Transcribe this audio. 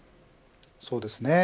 そうですね。